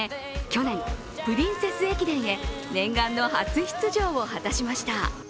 去年、プリンセス駅伝へ念願の初出場を果たしました。